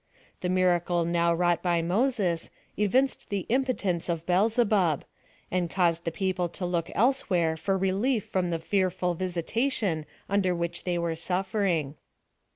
The miracle now wrought by Moses, evinced the impotence of Beelzebub, and caused the people to look elsewhere for relief from the fearful visita tion under which they were suffering.